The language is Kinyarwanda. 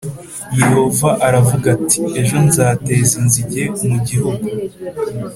yehova aravuga ati ejo nzateza inzige mu gihugu